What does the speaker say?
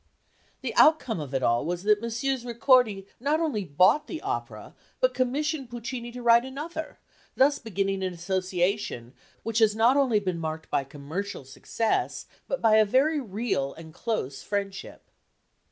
The outcome of it all was that Messrs. Ricordi not only bought the opera, but commissioned Puccini to write another, thus beginning an association which has not only been marked by commercial success but by a very real and close friendship.